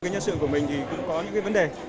nhân sự của mình cũng có những vấn đề